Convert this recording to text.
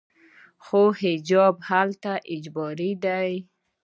خو حجاب هلته اجباري دی.